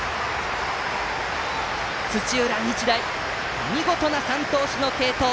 土浦日大、見事な３投手の継投！